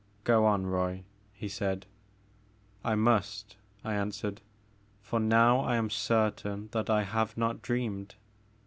Go on, Roy, he said. I must,*' I answered, for now I am certain that I have not dreamed.